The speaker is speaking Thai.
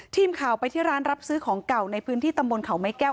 ทีมข่าวไปที่ร้านรับซื้อของเก่าในพื้นที่ตำบลเขาไม้แก้ว